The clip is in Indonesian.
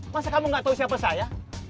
masa kamu gak tahu siapa saya